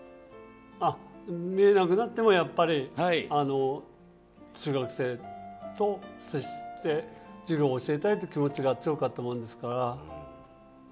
見えなくなってもやっぱり中学生と接して授業、教えたいっていう気持ちが強かったものですから。